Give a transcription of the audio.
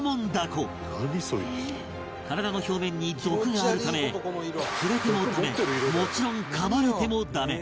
体の表面に毒があるため触れてもダメもちろん噛まれてもダメ